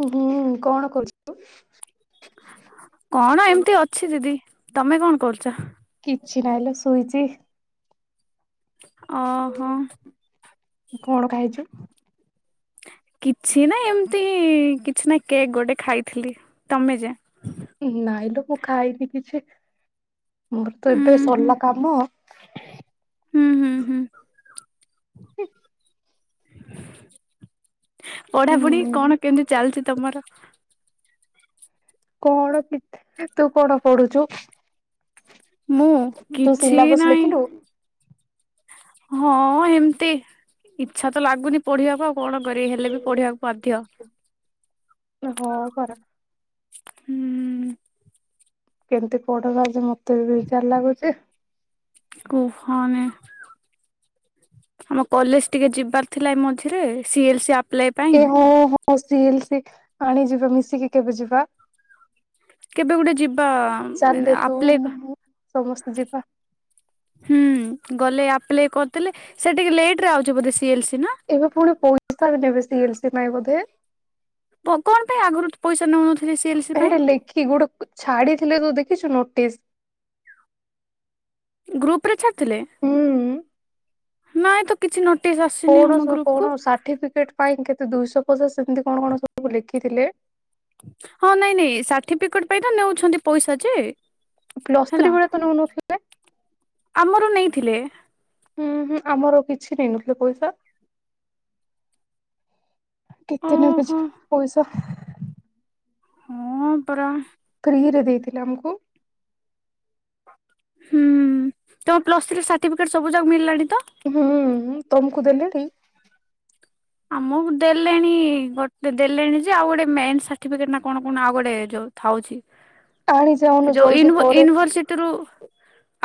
ହୁଁ, କଣ କରୁଛୁ ତୁ? କଣ ଏମିତି ଅଛି ଦିଦି, ତୋମେ କଣ କରୁଚ? କିଛି ନାହିଁ ଲୋ ଶୁଇଚି। ଓ ହଁ। କଣ ଖାଇଚୁ? କିଛି ନା ଏମିତି କିଛି ନାଇ କେକ୍ ଗୋଟେ ଖାଇଥିଲି। ତୋମେ ଯା। ନାଇଁ ଲୋ ମୁଁ ଖାଇନି କିଛି ମୋର ତ ଉଁ ଏବେ ହୁଁ ସରିଲା କାମ। ହୁଁ, ହୁଁ, ହୁଁ। ହି ପଢାପଢି ଉଁ କଣ କେମିତି ଚାଲିଚି ତୋମର? କଣ ପିତ୍, ତୁ କଣ ପଢୁଛୁ? ମୁଁ ତୁ କିଛି ସିଲାବସ ନାଇଁ। ଲେଖିଲୁ? ହଁ ଏମତି ଇଚ୍ଛା ତ ଲାଗୁନି ପଢିଆକୁ ଆଉ କଣ କରି ହେଲେ ବି ପଢିବାକୁ ବାଧ୍ୟ। ହଁ ପରା। ହୁଁ କେମିତି ପଢବା ଯେ ମୋତେ ବିଜାର ଲାଗୁଚି। କୁହନି। ଆମ କଲେଜ୍ ଟିକେ ଯିବାର ଥିଲା ଏ ମଝିରେ ସିଏଲସି ଆ ଏ ହଁ, ହଁ ସିଏଲସି ଆଣି ଯିବା, ମିଶିକି କେବେ ଯିବା? କେବେ ଗୋଟେ ଯିବା ଚାଲେ ମାନେ ତୁ ଆପ୍ଲାଏ କ ମୁଁ ସମସ୍ତେ ଯିବା। ହୁଁ, ଗଲେ ଆପ୍ଲାଏ କରିଦେଲେ ସେ ଟିକେ ଲେଟ୍ ରେ ଆଉଚି ବୋଧେ ସିଏଲସି ନା? ଏବେ ପୁଣି ପଇସା ବି ନେବେ ସିଏଲସି ପାଇଁ ବୋଧେ? ଭ-କଣ ପାଇଁ ଆଗରୁ ପଇସା ନଉନଥିଲେ ସିଏଲସି ପାଇଁ? ହେଇଟି ଲେଖି ଗୁଡ କ ଛାଡିଥିଲେ ତୁ ଦେଖିଛୁ ନୋଟିସ୍? ଗ୍ରୁପ୍ ରେ ଛାଡ଼ିଥିଲେ? ହୁଁ ନାଇଁ ତ କିଛି ନୋଟିସ୍ ଆସ କଣ ସବୁ କଣ ସାର୍ଟିଫିକେଟ୍ ପାଇଁ କେତେ ଦୁଇଶହ ପଚାଶ ଏମିତି କଣ କଣ ସବୁ ଲେଖିଥିଲେ? ହଁ ନାଇଁ ନାଇଁ ସାର୍ଟିଫିକଟ୍ ପାଇଁ ତ ନେଉଛନ୍ତି ପଇସା ଯେ। ପ୍ଲସ୍ ହେଲା ଥ୍ରୀ ବେଳେ ତ ନଉନଥିଲେ? ଆମର ନେଇଥିଲେ। ହୁଁ, ହୁଁ ଆମର କିଛି ନେଇନଥିଲେ ପଇସା। କେତେ ନେବେ ଓହୋ ଯେ ପଇସା? ହଁ ପରା। ଫ୍ରୀ ରେ ଦେଇଥିଲେ ଆମକୁ। ହୁଁ, ତୋମ ପ୍ଲସ୍ ଥ୍ରୀ ସାର୍ଟିଫିକେଟ୍ ସବୁ ଯାକ ମିଳିଲାଣି ତ? ହଁ, ତୋମକୁ ଦେଲେଣି? ଆମକୁ ଦେଲେଣି ଗୋଟେ ଦେଲେଣି ଯେ, ଆଉ ଗୋଟେ ମେନ୍ ସାର୍ଟିଫିକେଟ ନା କଣ କଣ ଆଉ ଗୋଟେ ଯୋଉ ଥାଉଛି। ଆଣି ଯାଉନୁ ଜଲଦି ପରେ। ସେଥିରୁ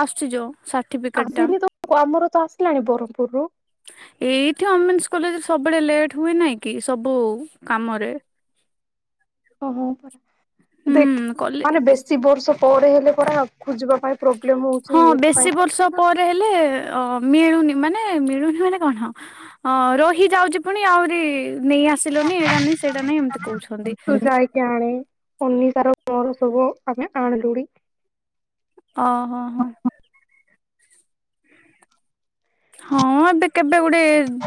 ଆସୁଛି ଯୋ ସାଟ ଆସିନି ତ ଆମର ତ ଆସିଲାଣି ବରହମ୍ ପୁର୍ ରୁ। ଏଇଠି ଓମେନ୍ସ କଲେଜରେ ସବୁବେଳେ ଲେଟ୍ ହୁଏ ନାହିଁ କି ସବୁ କାମରେ? ହ- ହଁ- ହ ଦେଖ୍ ହୁଁ କଲେ ମାନେ ବେଶୀ ବର୍ଷ ପରେ ହେଲେ ପରା ଖୋଜିବା ପାଇଁ। ପ୍ରୋବ୍ଲେମ ହଉଛି ହଁ ଏଥିପାଇଁ ବେଶୀ ବର୍ଷ ପରେ ହେଲେ। ଅ ମିଳୁନି ମାନେ ମିଳୁନି ମାନେ କଣ ହଁ। ହଁ ରହିଯାଉଛି ପୁଣି ଆହୁରି ନେଇ ଆସିଲନି ଏଇଟା ନାଇଁ ସେଇଟା ନାଇଁ ଏମିତି କହୁଛନ୍ତି। କାଇଁ କେଆଣୀ। ଅନିଶାର ଫର୍ମ ସବୁ ଆମେ ଆଣିଲୁଣି। ଅ ହ ହ। ହଁ ଏବେ କେବେ ଗୋଟେ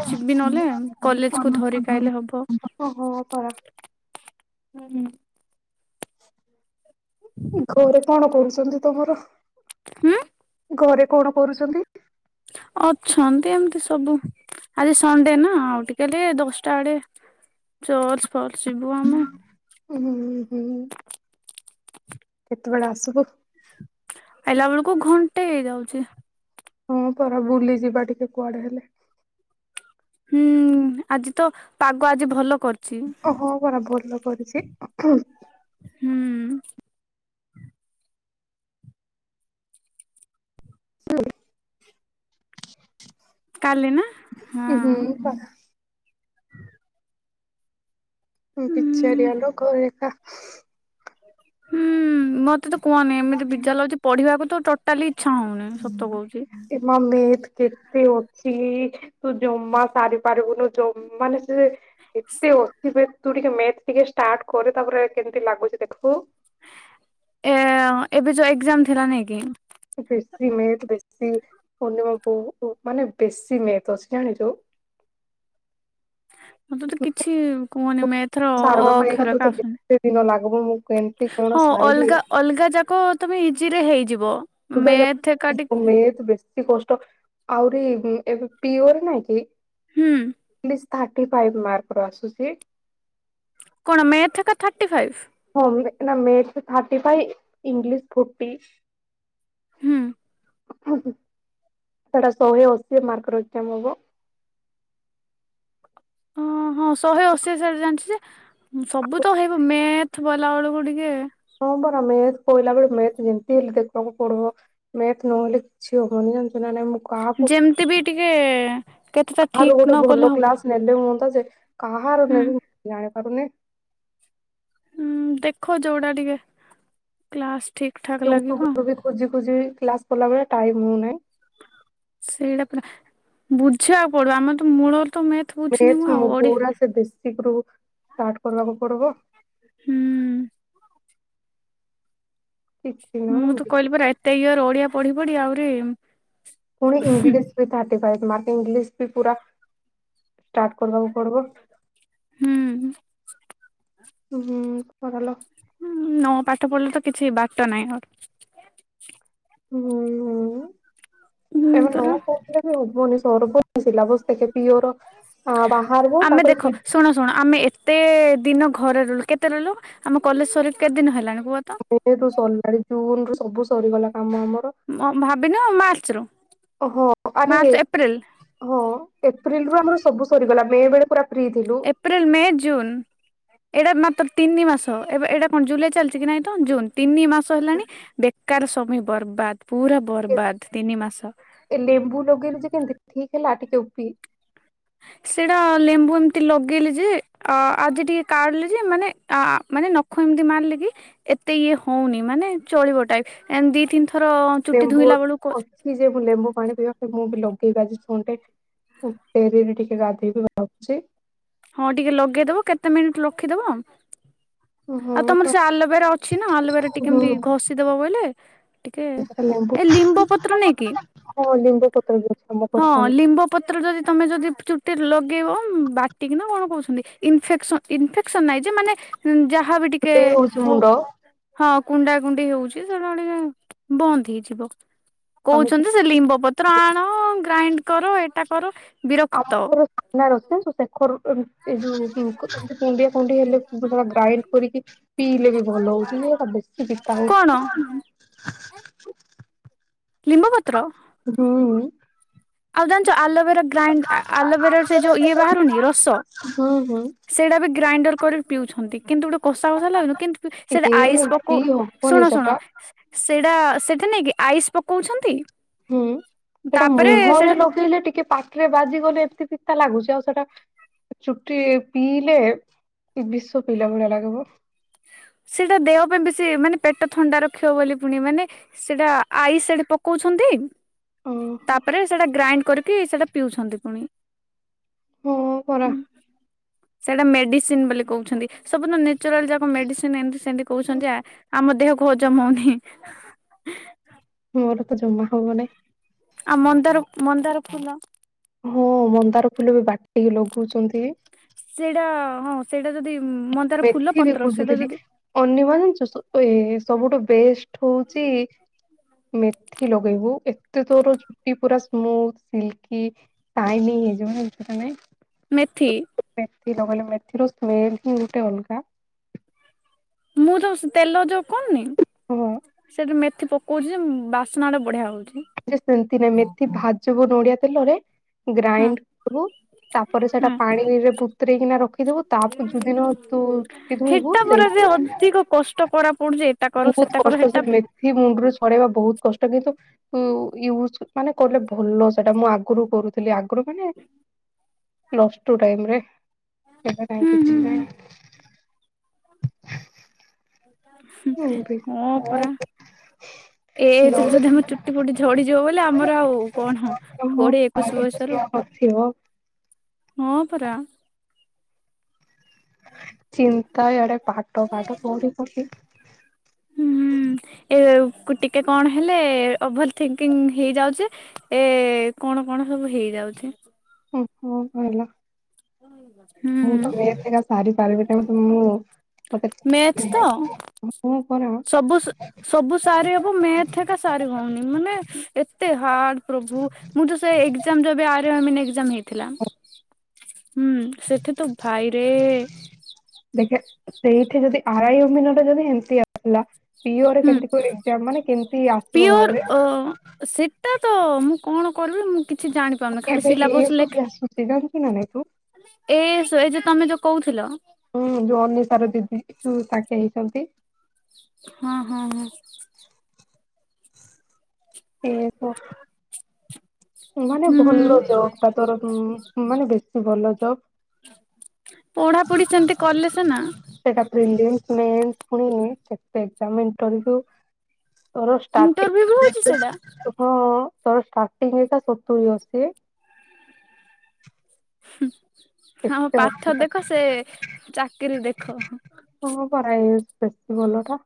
ଯିବି ନହେଲେ ଇଏ ମାନେ କଲେଜ୍ କୁ ଧରି କଲେଜକୁ ପାଇଲେ ହବ। ଓହୋ କର। ହୁଁ ହୁଁ। ଘରେ କଣ କରୁଚନ୍ତି ତମର? ହୁଁ। ଘରେ କଣ କରୁଚନ୍ତି? ଅଛନ୍ତି ଏମିତି ସବୁ। ଆଜି ସଣ୍ଡେ ନା ଆଉ ଟିକେଲେ ଦଶଟା ଆଡେ ଚର୍ଚ ଫର୍ଚ ଜିବୁ ଆମେ। ହୁଁ ହୁଁ କେତେବେଳେ ଆସିବୁ? ଆଇଲା ବେଳକୁ ଘଣ୍ଟେ ହେଇଯାଉଛି। ହୁଁ ପରା ବୁଲି ଯିବା ଟିକେ କୁଆଡେ ହେଲେ। ହୁଁ ଆଜି ତ ପାଗ ଆଜି ଭଲ କର୍ ଓହୋ ପରା ଭଲ କରିଚି। ହୁଁ। [unintelligible] କାଲି ନା ହଁ। ହୁଁ ପରା ହୁଁ ବିଚାରିଆ ଲ ଘରେଇଟା। ହୁଁ ମତେ ତ କୁହନି ଏମିତି ବିଜାର ଲାଗୁଛି ପଢିବାକୁ ତ ଟାଲି ଇଚ୍ଛା ହୋଉନି ସତ କହୁଛି। ଏ ମମି କେତେ ଅଛି ତୁ ଜମା ସାରିପାରିବୁନୁ ଜମାନେ। ଏତେ ଓଟିଭେଟ୍ ତୁ ଟିକେ ମେଥ୍ ଟିକେ ଷ୍ଟାର୍ଟ କରେ ତାପରେ କେମିତି ଲାଗୁଛି ଦେଖିବୁ। ଏ ଏବେ ଯୋଉ ଏକ୍ଜାମ୍ ଥିଲା ନାଇ କି? ବେସ୍ଥି ମେଥ୍ ବେସ୍ଥି। ପୂର୍ଣ୍ଣିମାକୁ ମାନେ ବେଶୀ ମେ୍ଥ ଅଶିଟା ଆଣିଛୁ। ମତେ କିଛି କୁହନି ମେଥ୍ ରେ ସାରବା ଅ ପାଇଁକା ଅକ୍ଷର ତୋତେ କା କେତେ ଦିନ ଲାଗିବ ମୁଁ? କେମିତି କଣ ହଁ ସାରିବି ଅଲଗା ଅଲଗା ଯାକ ତମେ ଇଜିରେ ହେଇଯିବ। ଦୁର୍ଗା ମେଥ ଏକା ଟିକେ ଯା ମେଥ୍ ବେଶୀ କଷ୍ଟ ଆହୁରି ଏବେ ପିଓରେ ନାଇଁ କି? ହୁଁ। ଖାଲି ଥାର୍ଟି ଫାଇଭ୍ ମାର୍କ ର ଆସୁଛି। କଣ ମେଥ୍ ଟା ଥାର୍ଟି ଫାଇଭ୍? ହଁ ନା math thirty five English forty. ହୁଁ। ସେଟା ଶହେ ଅଶି ମାର୍କକ୍ରାମ୍ ହବ। ଓ ହଁ ଶହେ ଅଶି ସଡ ଜାଣିଛି ଯେ ସବୁ ତ ହେଇବ ମେଥ ବଲାବେଳକୁ ଟିକେ ହଁ ବରା ମେଥ କହିଲା ବେଳେ ମେଥ ଯେମିତି ହେଲେ ଦେଖିବାକୁ ପଡିବ। ମେଥ ନହେଲେ କିଛି ହବନି ଜାଣିଚୁ ନା ମୁଁ କାହାକୁ ଯେମିତି ବି ଟିକେ କେତେଟା କାହାର ଠିକ୍ ଗୋଟେ ନ ଭଲ କଲେ ହବ କ୍ଲାସ ନେଲେ ହୁଅନ୍ତା ଯେ କାହାର ହୁଁ ନେବି ଜାଣିପାରୁନି? ହୁଁ ଦେଖ ଯୋଉଟା ଟିକେ କ୍ଲାସ ଠିକ ଠାକ ୟୁଟୁଵୁରୁ ଲାଗିବ ବି ବି ଖୋଜି ଖୋଜି କ୍ଲାସ କଲାବେଳେ ଟାଇମ ହଉନାହିଁ। ସେଇଟା ପୁର ବୁଝିବାକୁ ପଡିବ ଆମର ତ ମୂଳ ତ ମ ମ ପୁରା ସେ ଦେଶୀ ରୁ ଷ୍ଟାର୍ଟ କରିବାକୁ ପଡିବ। ହୁଁ। କିଛି ମୁଁ ତ ନାହିଁ କହିଲି ପରା ଏତେ ଇୟଅର ଓଡିଆ ପଢି ପଢି ଆହୁରି ପୁଣି ଇଂଲିଶ ବି ଥାର୍ଟି ଫାଇପ ମାର୍କ ଇଂଲିଶ ବି ପୁରା ଷ୍ଟାର୍ଟ କରିବାକୁ ପଡିବ। ହୁଁ। ହୁଁ ହୁଁ କରଲ। ହଁ ନ ପାଠ ପଢିଲେ ତ କିଛି ବାଟ ନାହିଁ ଆଉ। ହୁଁ ହୁଁ ହୁଁ ତମ ନ ପରା କହୁଥିଲେ ନି ସର ବିଲା ବସ୍ଖେ ପିୟର ଆମେ ଦେଖ ଶୁଣ ଶୁଣ ଆମେ ଏତେ ଦିନ ଘରେ ରୁ କେତେ ରହିଲୁ ଆମ କଲେଜ ସର କେତେ ଦିନ ହେଲାଣି କୁହ ତ? ମେ ରୁ ସରିଲାଣି ଜୁନ ରୁ ସବୁ ସରିଗଲା କାମ ଆମର। ଭାବିନ ମାର୍ଚ୍ଚ ରୁ ଓହୋ ଆରେ ମାର୍ଚ୍ଚ ଏପ୍ରିଲ ହୋ। ଏପ୍ରିଲ ରୁ ଆମର ସବୁ ସରିଗଲା ମେ ବେଳେ ପୁରା ଫ୍ରି ଥିଲୁ। April, May, June. ଏଇଟା ମାତ୍ର ତିନି ମାସ ଏବେ ଏଇଟା କଣ ଜୁଲାଇ ଚାଲିଛି କି ନାଇଁ ତ ଜୁନ ତିନି ମାସ ସ ହେଲାଣି ବେକାର ସମୟ ବରବାଦ ପୁରା ବରବାଦ ତିନି ମାସ। ଏ ଲେମ୍ବୁ ଲଗେଇଲୁ ଯେ କେନ୍ତି ଠିକ୍ ହେଲା ଟିକେ ଉପି? ସେଇଟା ଲେମ୍ବୁ ଏମତି ଲଗେଇଲି ଯେ ଆ ଆଜି ଟିକେ କାଡଲି ଯେ ମାନେ ଆ ମାନେ ନଖ ଏମିତି ମାର୍ ଲେ କି ଏତେ ୟେ ହଉନି ମାନେ ଚୋଳିବ ଟାଇପ୍ ଏମତି ଦୁଇ ତିନି ଥର ଚୁଟି ଲେମ୍ବୁ ଧୋଇଲା ବେଳକୁ ଅଛି ଯେ ମୁଁ ଲେମ୍ବୁ ପାଣି ପିଇବା ପାଇଁ ମୁଁ ବି ଆଜି ଲଗେଇବା ଆଜି ସଣ୍ଡେ। ହୁଁ ଡେରିରେ ଟିକେ ଗାଧେଇବି ଭାବୁଛି। ହଁ ଟିକେ ଲଗେଇ ଦେବ କେତେ ମିନିଟ୍ ରଖିଦେବ। ହଁ ଆଉ ତମର ସେ ଆଲୋଭେରା ଅଛି ନା ଆଲୋଭେରା ଟିକେ ହୁଁ ଏମତି ଘୋଷିଦେବ ବୋଲେ ଟିକେ ଲେମ୍ବୁ ଏ ଲିମ୍ବ ପତ୍ର ନାଇକି? ହଁ ଲିମ୍ବପତ୍ର ବି ଅଛି ଆମ ଘର ସାମ୍ନା ରେ। ଲିମ୍ବ ପତ୍ର ଯଦି ତମେ ଯଦି ଚୁଟିରେ ଲଗେଇବ ବାଟି ବାଟିକି ନା କଣ କହୁଛନ୍ତି ଇନଫେକ୍ସନ ଇନଫେକ୍ସନ ନାଇ ଯେ ମାନେ ଯାହା [unintelligible] ଟିକେ ଫୁଟେଇ ହଉଛି ହଉ। ମୁଣ୍ଡ ହଁ କୁଣ୍ଡା କୁଣ୍ଡି ହେଉଛି ସେଟା ଟିକେ ବନ୍ଦ୍ ହେଇଯିବ। ଆମେ କହୁଛନ୍ତି ସେ ଲିମ୍ବ ପତ୍ର ଆଣ ଗ୍ରାଇଣ୍ଡ କର ଏଇଟା କର। ଆମ ବିରକ୍ତ ଘର ସାମ୍ନା ରେ ଅଛି ଜାଣିଛୁ ଶେଖର ଏ ଯୁ କୁଣ୍ଡିଆ କୁଣ୍ଡେଇ ହେଲେ [unintelligible] ସେଇଟା ଗ୍ରାଇଣ୍ଡ କରିକି ପିଇଲେ ବି ଭଲ ହଉଛି ସେଟା ବେଶୀ ପିତା କଣ ହଉଛି। ଲିମ୍ବପତ୍ର। ହଁ ଆଉ ଜାଣିଛ ଆଲୋଭେରା ଗ୍ରାଇଣ୍ଡ ଆଲୋଭେରା ରୁ ସେ ଯୋଉ ଇଏ ବାହାରୁନି ରସ ହୁଁ ହୁଁ ସେଇଟା ବି ଗ୍ରାଇଣ୍ଡର କରି ପିଉଛନ୍ତି କିନ୍ତୁ ଗୋଟେ କଷା କଷା ଲାଗୁଛି କିନ୍ତୁ ସେଇଟା ଏ ଆଇସ ପୋକଉ ପିଇ ହବନି ଶୁଣ ଶୁଣ ସେଟା। ସେଇଟା ସେଠା ନାଇକି ଆଇସ ପକଉଛନ୍ତି ହୁଁ ସେଟା ତାପରେ ମୁହଁରେ ସେଟା ଲଗେଇଲେ ଟିକେ ପା ଟିରେ ବାଜିଗଲେ ଏମିତି ପିତା ଲାଗୁଛି ଆଉ ସେଇଟା ଚୁଟି ପିଇଲେ ବିଷ ପିଇଲା ଭଳିଆ ଲାଗିବ। ସେଇଟା ଦେହ ପାଇଁ ବେଶି ମାନେ ପେଟ ଥଣ୍ଡା ରଖିବ ବୋଲି ପୁଣି ମାନେ ସେଟା ଆଇସ ସେଡ ପକଉଛନ୍ତି। ଓହୋ ତାପରେ ସେଟା ଗ୍ରାଇଣ୍ଡ କରିକି ସେଟା ପିଉଛନ୍ତି ପୁଣି। ହଁ ପରା ହୁଁ ସେଇଟା ମେଡିସିନ ବୋଲି କହୁଛନ୍ତି ସବୁ ତ ନେଚୁରାଲ ଯାକ ମେଡିସିନ ଏମିତି ସେମିତି କହୁଛନ୍ତି ଆ ଆମ ଦେହକୁ ହଜମ ହଉନି। ମୋର ତ ଜମା ହବନାଇଁ। ଆଉ ମନ୍ଦାର ମନ୍ଦାର ଫୁଲ। ହଁ ମନ୍ଦାର ଫୁଲ ବି ବାଟିକି ଲଗଉଛନ୍ତି। ସେଇଟା ହଁ ସେଇଟା ଯଦି ମନ୍ଦାର ଫୁଲ ମେଥି ବି ପତ୍ର ସେଇଟା ଖୋଜୁଥିଲି ଯଦି ଅନିମା ଜାଣିଛୁ ଏ ସବୁଠୁ ବେଷ୍ଟ ହେଉଛି। ମେଥି ଲଗେଇବୁ ଏତେ ତୋର ଚୁଟି ପୁରା ସ୍ମୁଥ ସିଲକି। ସାଇନି ହେଇଯିବ ଜାଣିଛୁ ନା ନାଇ। ମେଥି। ମେଥି ଲଗେଇଲେ ମେଥି ର ସ୍ମେଲ୍ ହିଁ ଗୋଟେ ଅଲଗା। ମୁଁ ଯୋଉ ତେଲ ଯ କରୁନି ହଁ ସେଠି ମେଥି ପକଉଛି ଯେ ବା ସ୍ନା ଟା ବଢିଆ ହେଉଛି। ସେମତି ନାଇ ମେଥି ଭାଜିବୁ ନଡିଆ ତେଲରେ ହଁ। ଗ୍ରାଇଣ୍ଡ କରିବୁ। ତାପରେ ସେଟା ହୁଁ ପାଣିରେ ବତରେଇକିନା ରଖିଦବୁ ତା ପରେ ଯୁଦିନ ତୁ ଚୁଟି ଧୁଇବୁ ଯେ ଅଧିକ କଷ୍ଟ ତ ପରା ପଡୁଛି ଏଟା କର ସେଟା କର ସେ ହେଟା ମେଥି ମୁଣ୍ଡରୁ ଛଡ଼େଇବା ବହୁତ୍ କଷ୍ଟ କିନ୍ତୁ ଓ ୟୁଜ ମାନେ କଲେ ଭଲ ସେଟା ମୁଁ ଆଗରୁ କରୁଥିଲି ଆଗରୁ ମାନେ ପ୍ଲସ ଟୁ ଟାଇମ ରେ ଏବେ କାଇଁ ହୁଁ ହୁଁ କିଛି ନାଁଇ ହୁଁ ଏମତି ହଁ ପରା। ଏ ଏଜ୍ ରୁ ଯଦି ଲକ୍ଷ୍ୟ ଆମ ଚୁଟି ଫୁଟି ଝଡିଯିବ ବୋଲି ଆମର ଆଉ କଣ ମୋ କୋଡିଏ ପାଠ ଏକୋଇଶି ବୟସ ରୁ- ଝିଅ ନଥିବ ହଁ ପରା- ଚିନ୍ତା ଇଆଡେ ପାଟ, ଫାଠ ପଢି, ପଢି। ହୁଁ ଏ ଟିକେ କଣ ହେଲେ ଓଭର ଥିଙ୍କିଙ୍ଗ ହେଇଯାଉଛି। ଏ କଣ କଣ ସବୁ ହେଇଯାଉଛି। ଓହୋ କହିଲ। କଣ ହେଇଗଲା ମୁଁ କେସ ରା ସରିପାରିବିନି ଗୋଟେ ପଟେ ମୁଁ। ମେଥ୍ ତ ହଁ ପରା। ସବୁ ସବୁ ସାରି ହେବ ମେଥ୍ ଏକା ସାରି ହଉନି ମାନେ ଅଟେ ହାର୍ଡ ପ୍ରଭୁ ମୁଁ ତ ସେ ଏ ଆ ହେଇଥିଲା ହୁଁ ସେଠି ତ ଭାଇରେ- ଦେଖେ ସେଇଠି ଯଦି ଆରାଇ ମିନଟ ଯଦି ଏମିତି ଆସିଲା। ପିଓରେ ହୁଁ କେମତି କ ମାନେ କେମତି ଆସିବ ଭାବେ। ଏଟ ତ ମୁଁ କଣ କରିବି ମୁଁ କିଛି ଜାଣିପାରୁନି। ଖାଲି ଏବେ ଏ ସିଲାବସ ଏସ ବି ଲେଖେ। ଆସୁଛି ଜାଣିଛୁ ନା ନାଇଁ ତୁ? ଏ ଏ ଯେ ତମେ ଯୋଉ କହୁଥିଲ- ହୁଁ ଯୋଉ ଅନିଷାର ଦିଦି ତାକେ ହେଇଛନ୍ତି। ହଁ ହଁ ହଁ। ଏ ତୋ- ଜବ୍ ଟା ତୋର ହୁଁ ମାନେ ବେଶୀ ଭଲ ଜବ୍। [inaudible] ପଢାପଢ଼ି ସେମିତି କଲେ ସିନା। ସେଇଟା, ପ୍ରିଲିମ୍ସ, ମେନ୍, ପୁଣି ଏଗଜାମିନ କରୁଚୁ। ଇଣ୍ଟରଭ୍ୟୁ ବି ହଉଛି ସେଟା [inaudible] [unintelligible] ହମ ଏତେ ପାଠ ଅଧିକ ଦେଖ, ସେ ଚାକିରିୀ ଦେଖ। ହଁ କର ବେଶୀ ଭଲ ଟା।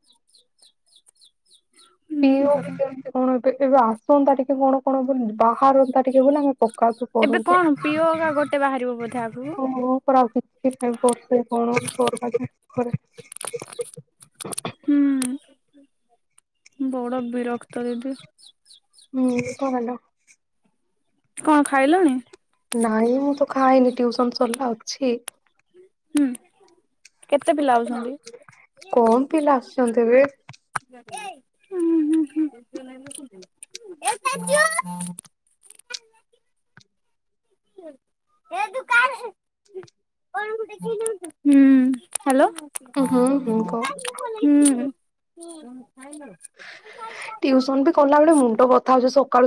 ପିଅ ପରା କେମିତି କଣ ଏ ଏବେ ଆସନ୍ତା ଟିକେ କଣ କଣ ବୋଲିନି। ବାହାରନ୍ତା ଟିକେ ବ ଆମେ ପକାନ୍ତୁ ଏବେ ପଢନ୍ତୁ। କଣ ପିଓ ଏକା ଗୋଟେ ବାହାରିବ ବୋଧେ ଆଗକୁ ହିଁ ପର କିଛି ପାଇଁ ବର୍ଷେ କଣ [inaudible] [inaudible] ବଡ଼ ବିରକ୍ତ ଦିଦି। ହୁଁ କ ଭଲ। କଣ ଖାଇଲଣି? ନାଇଁ ମୁଁ ତ ଖାଇନି, ଟିଉସନ ସରିଲା ଅଛି। ହୁଁ କେତେ ପିଲା ଆଉଛନ୍ତି କଣ ପିଲା ଆସୁଛନ୍ତି ଏବେ। ହୁଁ [unintelligible] [inaudible] [inaudible] ହୁଁ ହ୍ୟାଲୋ ହଁ ହୁଁ କହ। ହୁଁ [unintelligible] ଟିଉସନ ବି କଲା ବଳେ ମୁଣ୍ଡ ବଥା ହଉଛି, ସକାଳୁ।